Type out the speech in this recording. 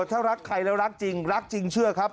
ถ้ารักใครแล้วรักจริงรักจริงเชื่อครับ